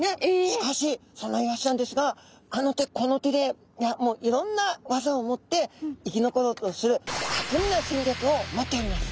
しかしそんなイワシちゃんですがあの手この手でいろんな技を持って生き残ろうとする巧みな戦略を持っております。